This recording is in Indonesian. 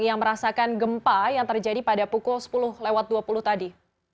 yang merasakan gempa yang terjadi pada pukul sepuluh lewat dua puluh tadi